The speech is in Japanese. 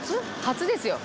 初ですよ。